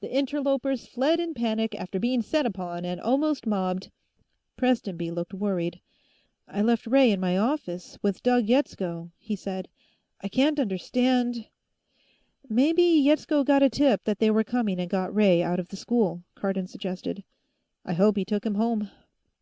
The interlopers fled in panic after being set upon and almost mobbed " Prestonby looked worried. "I left Ray in my office, with Doug Yetsko," he said. "I can't understand " "Maybe Yetsko got a tip that they were coming and got Ray out of the school," Cardon suggested. "I hope he took him home."